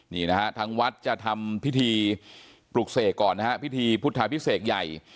นี่นะฮะทางวัดจะทำพิธีปลุกเสกก่อนนะฮะพิธีพุทธาพิเศษใหญ่